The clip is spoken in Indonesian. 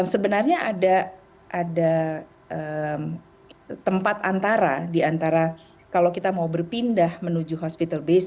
sebenarnya ada tempat antara diantara kalau kita mau berpindah menuju hospital base